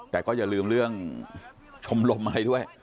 แต่ก็อย่าลืมเรื่องชมรมอะไรด้วย